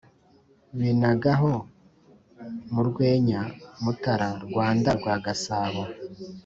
binaga ho mu rweya (mutara), rwanda rwa gasabo